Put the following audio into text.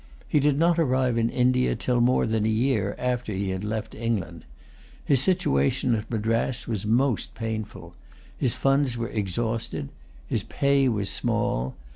He did not arrive in India till more than a year after he had left England. His situation at Madras was most painful. His funds were exhausted. His pay was small.